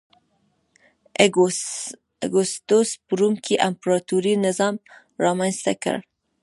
اګوستوس په روم کې امپراتوري نظام رامنځته کړ